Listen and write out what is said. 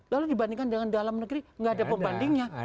lalu dibandingkan dengan dalam negeri tidak ada pembandingnya